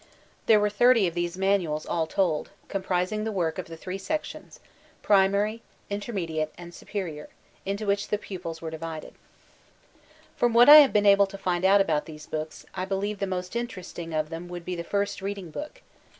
There were thirty of these manuals all tdd, conq>rising the work of the three sections, primary, intermediate, and superior, into which the pupils were divided From what I have been able to find out about these books, I believe the most interesting of them all would be the First Reading Book.